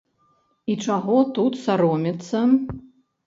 І чаго тут саромецца?